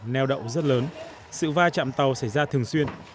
neo đậu rất lớn sự va chạm tàu xảy ra thường xuyên